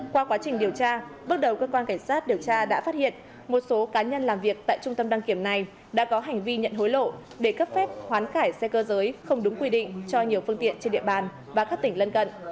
qua quá trình điều tra bước đầu cơ quan cảnh sát điều tra đã phát hiện một số cá nhân làm việc tại trung tâm đăng kiểm này đã có hành vi nhận hối lộ để cấp phép hoán cải xe cơ giới không đúng quy định cho nhiều phương tiện trên địa bàn và các tỉnh lân cận